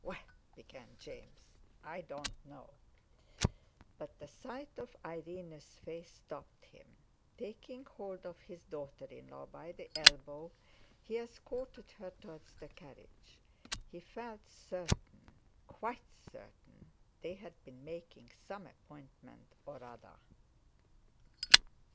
"Well," began James, "I don't know...." But the sight of Irene's face stopped him. Taking hold of his daughter in law by the elbow, he escorted her towards the carriage. He felt certain, quite certain, they had been making some appointment or other....